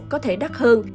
có thể đắt hơn